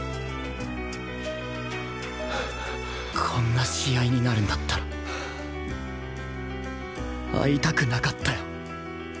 こんな試合になるんだったら会いたくなかったよ！